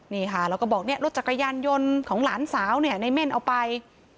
นี่ค่ะรถจักรยานยนต์ของหลานสาวเนี่ยในเม่นเอาไป